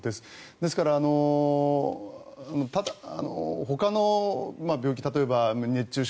ですから、ほかの病気例えば熱中症